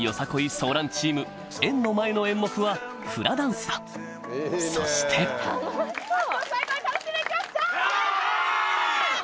ソーランチーム縁の前の演目はフラダンスだそしてわぁ！